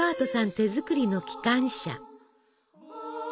手作りの機関車。